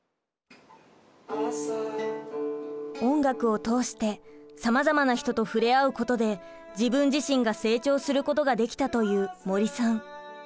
音楽を通してさまざまな人と触れ合うことで自分自身が成長することができたという森さん。